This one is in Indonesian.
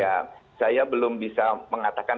ya saya belum bisa mengatakan